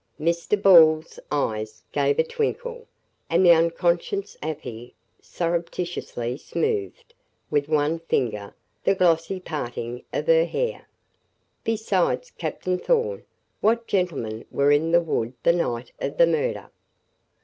Mr. Ball's eyes gave a twinkle, and the unconscious Afy surreptitiously smoothed, with one finger, the glossy parting of her hair. "Besides Captain Thorn, what gentlemen were in the wood the night of the murder?"